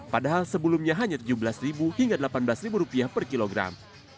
padahal sebelumnya hanya tujuh belas ribu hingga delapan belas ribu rupiah per kilogram